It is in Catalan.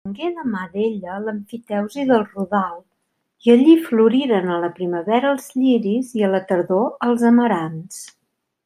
Tingué de mà d'ella l'emfiteusi del rodal i allí floriren a la primavera els lliris i a la tardor els amarants.